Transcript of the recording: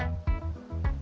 ini baru bret xen